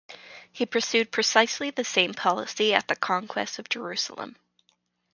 He pursued precisely the same policy at the conquest of Jerusalem.